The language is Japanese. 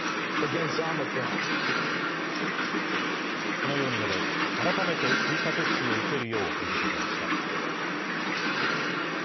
このように述べ、改めて追加接種を受けるよう呼びかけました。